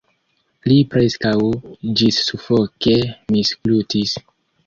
Li preskaŭ ĝissufoke misglutis.